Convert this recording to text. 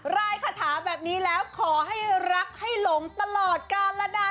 รายคาถาแบบนี้แล้วขอให้รักให้หลงตลอดกาล